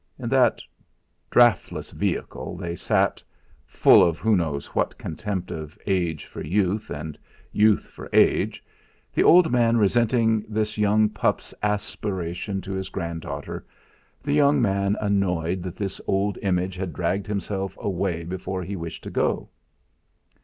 In that draughtless vehicle they sat, full of who knows what contempt of age for youth; and youth for age; the old man resenting this young pup's aspiration to his granddaughter; the young man annoyed that this old image had dragged him away before he wished to go.